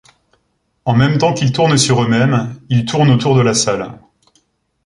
En même temps qu’ils tournent sur eux-mêmes, ils tournent autour de la salle.